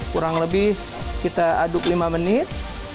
kurang lebih kita aduk lima menit